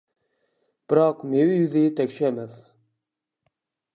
بىراق مېۋە يۈزى تەكشى ئەمەس، .